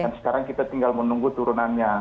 dan sekarang kita tinggal menunggu turunannya